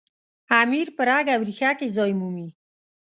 امیر په رګ او ریښه کې ځای مومي.